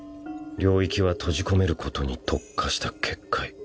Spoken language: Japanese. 領域は閉じ込めることに特化した結界。